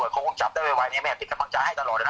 แม่ยังคงมั่นใจและก็มีความหวังในการทำงานของเจ้าหน้าที่ตำรวจค่ะ